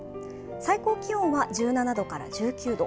最高気温は１７度から１９度。